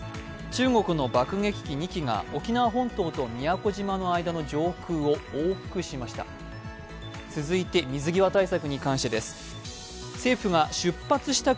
中国の爆撃機２機が沖縄本島と宮古島の間の上空を往復しました。